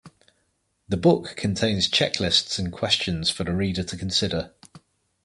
The book contains checklists and questions for the reader to consider.